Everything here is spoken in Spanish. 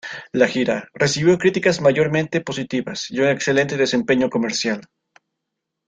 La gira recibió críticas mayormente positivas y un excelente desempeño comercial.